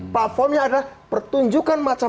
platformnya adalah pertunjukan macam